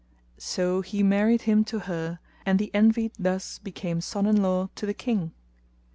So he married him to her and the Envied thus became son in law to the King.